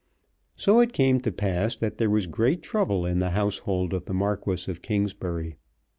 So it came to pass that there was great trouble in the household of the Marquis of Kingsbury.